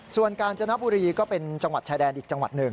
ส่วนกาญจนบุรีก็เป็นจังหวัดชายแดนอีกจังหวัดหนึ่ง